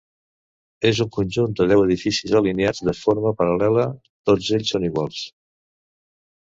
És un conjunt de deu edificis alineats de forma paral·lela; tots ells són iguals.